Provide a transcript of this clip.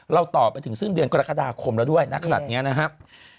เราต่อไปถึงสิ้นเดือนกรกฎาคมแล้วด้วยนะขนาดนี้นะครับ